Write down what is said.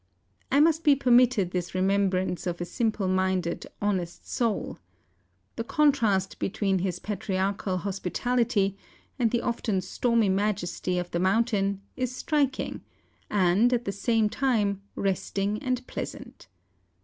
I must be permitted this remembrance of a simple minded, honest soul. The contrast between his patriarchal hospitality and the often stormy majesty of the mountain, is striking, and, at the same time, resting and pleasant.